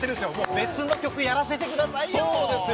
別の曲やらせてくださいよ！